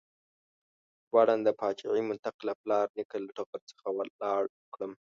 غواړم د فاجعې منطق له پلار نیکه له ټغر څخه ولاړ کړم.